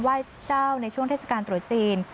ไหว้เจ้าในช่วงเทศกาลตรุษจีน